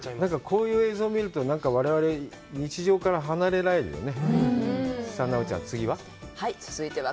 こういう映像を見ると、我々、日常から離れられるよね。